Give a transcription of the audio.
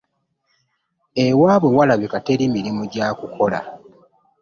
Ewaabwe walabika teri mirimu gya kukola.